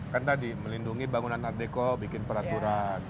kan tadi melindungi bangunan art deko bikin peraturan